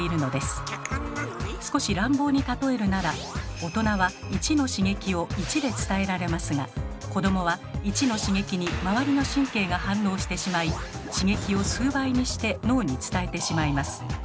少し乱暴に例えるなら大人は１の刺激を１で伝えられますが子どもは１の刺激に周りの神経が反応してしまい刺激を数倍にして脳に伝えてしまいます。